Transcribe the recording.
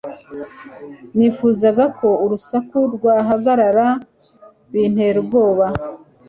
Nifuzaga ko urusaku rwahagarara Bintera ubwoba